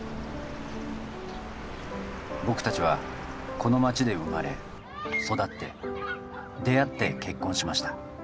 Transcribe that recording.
僕たちはこの町で生まれ育って出会って結婚しました